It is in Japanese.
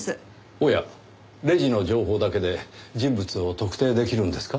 おやレジの情報だけで人物を特定できるんですか？